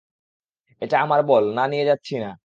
এটা আমার বল, না নিয়ে যাচ্ছি না।